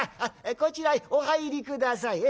こちらにお入り下さい。